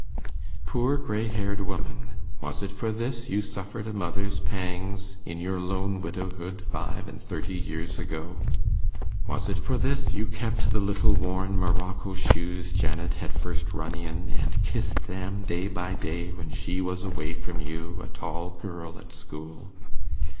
Poor grey haired woman! Was it for this you suffered a mother's pangs in your lone widowhood five and thirty years ago? Was it for this you kept the little worn morocco shoes Janet had first run in, and kissed them day by day when she was away from you, a tall girl at school?